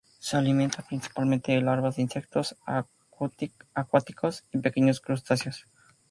Se alimenta principalmente de larvas de insectos acuáticos y pequeños crustáceos.